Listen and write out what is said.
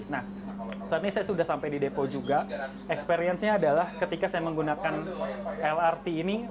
nah saat ini saya sudah sampai di depo juga experience nya adalah ketika saya menggunakan lrt ini